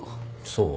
そう？